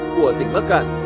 của tỉnh bắc cản